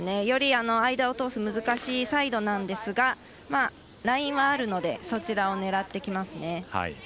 より間を通す難しいサイドなんですがラインはあるのでそちらを狙ってきますね。